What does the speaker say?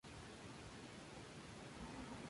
Relación de subespecies.